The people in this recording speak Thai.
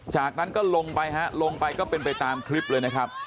จากนั้นก็ลงไปฮะลงไปก็เป็นไปตามคลิปเลยนะครับ